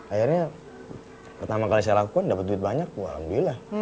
akhirnya pertama kali saya lakuin dapet duit banyak wah alhamdulillah